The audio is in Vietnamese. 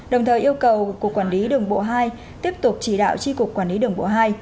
đồng thời yêu cầu cục quản lý đường bộ hai tiếp tục chỉ đạo tri cục quản lý đường bộ hai